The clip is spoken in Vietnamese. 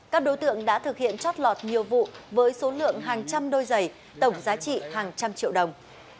các đối tượng đã thực hiện chót lọt nhiều vụ với số lượng hàng trăm đôi giày tổng giá trị hàng trăm triệu đồng